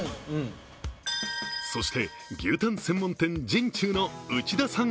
そして牛タン専門店、陣中の内田さん